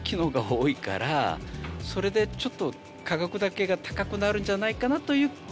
それでちょっと価格だけが高くなるんじゃないかなという気はします。